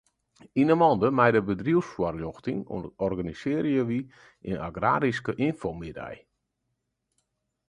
Yn 'e mande mei de bedriuwsfoarljochting organisearje wy in agraryske ynfomiddei.